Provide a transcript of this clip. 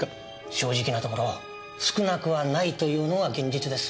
正直なところ少なくはないというのが現実です。